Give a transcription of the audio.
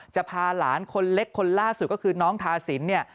จะพาหลานคนเล็กคนล่าสุดก็คือน้องทาสินเนี่ย